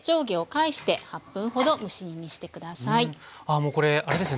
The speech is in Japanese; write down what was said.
あもうこれあれですね